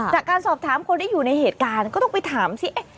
จากการสอบถามคนที่อยู่ในเหตุการณ์ก็ต้องไปถามสิ